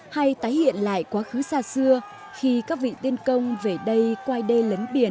hay tái hiện lại quá khứ xa xưa khi các vị tiên công về đây quay đê lấn biển